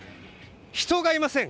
人がいません。